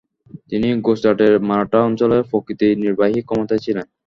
তিনি গুজরাটের মারাঠা অঞ্চলে প্রকৃত নির্বাহী ক্ষমতায় ছিলেন।